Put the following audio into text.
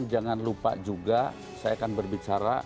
jangan lupa juga saya akan berbicara